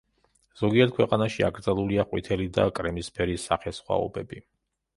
ზოგიერთ ქვეყანაში აკრძალულია ყვითელი და კრემისფერი სახესხვაობები.